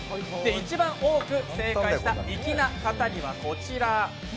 一番多く正解した粋な方にはこちら。